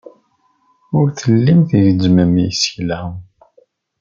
Ur tellim tgezzmem isekla.